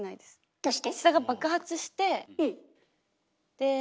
どうして？